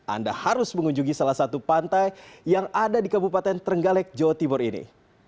anda harus mengunjungi salah satu pantai yang ada di kabupaten trenggalek jawa timur ini